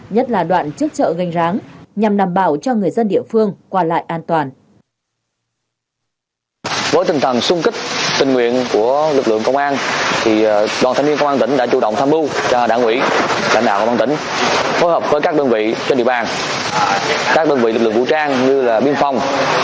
nhất là đoạn trước chợ gành ráng nhằm đảm bảo cho người dân địa phương qua lại an toàn